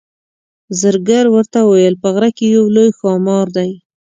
زرګر ورته وویل په غره کې یو لوی ښامار دی.